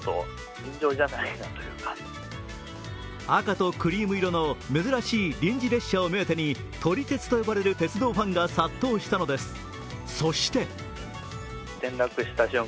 赤とクリーム色の珍しい臨時列車を目当てに撮り鉄と呼ばれる鉄道ファンが殺到したのです。